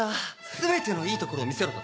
全てのいいところを見せろだと？